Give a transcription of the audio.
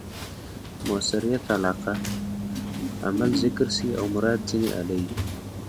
مؤثریت علاقه؛ عمل ذکر سي او مراد ځني آله يي.